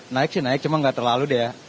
naik sih naik cuma nggak terlalu deh ya